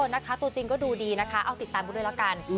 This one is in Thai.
นะคะตัวจริงก็ดูดีนะคะเอาติดตามกันด้วยแล้วกัน